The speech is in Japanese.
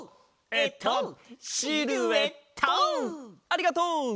ありがとう！